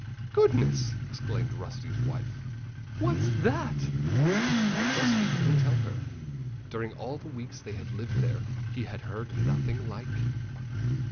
"Goodness!" exclaimed Rusty's wife. "What's that?" But Rusty couldn't tell her. During all the weeks they had lived there he had heard nothing like that.